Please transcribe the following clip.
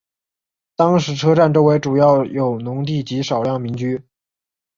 当时车站周围主要有农地及少量民居。